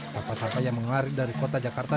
sampah sampah yang mengalir dari kota jakarta